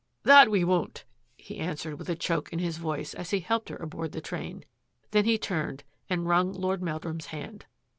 " That we won't," he answered with a choke in his voice as he helped her aboard the train. Then he turned and wrung Lord Meldrum's hand.